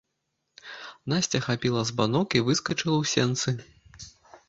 Насця хапіла збанок і выскачыла ў сенцы.